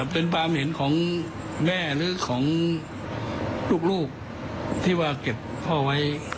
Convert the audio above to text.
เป็นความเห็นของแม่หรือของลูกที่ว่าเก็บพ่อไว้